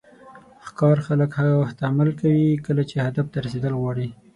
ښکار خلک هغه وخت عمل کوي کله چې خپل هدف ته رسیدل غواړي.